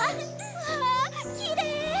うわきれい！